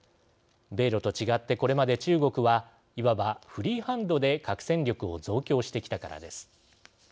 米ロと違って、これまで中国はいわばフリーハンドで核戦力を増強してきたからです。